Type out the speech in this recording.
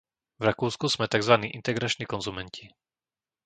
V Rakúsku sme takzvaní integrační konzumenti.